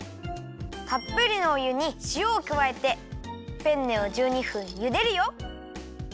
たっぷりのお湯にしおをくわえてペンネを１２分ゆでるよ。